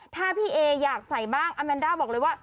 ถ้าพี่เออยากใส่บ้างอาแมนด้าบอกเลยว่า